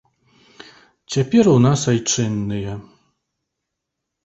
Цяпер у нас айчынныя.